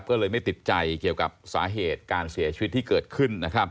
ก็เลยไม่ติดใจเกี่ยวกับสาเหตุการเสียชีวิตที่เกิดขึ้น